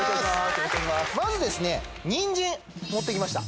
まずですねにんじん持ってきました